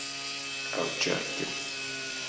Ṛjiɣ-kem.